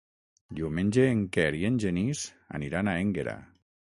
Diumenge en Quer i en Genís aniran a Énguera.